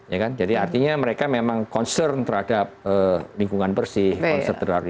ya kan jadi artinya mereka memang concern terhadap lingkungan bersih concern terhadap renewable nsc